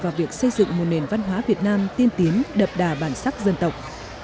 vào việc xây dựng một nền văn hóa việt nam tiên tiến đậm đà bản sắc dân tộc